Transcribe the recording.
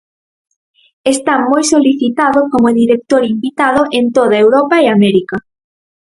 Está moi solicitado como director invitado en toda Europa e América.